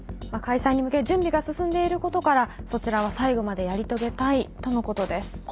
まあ開催に向け準備が進んでいることから「そちらは最後までやり遂げたい」とのことです。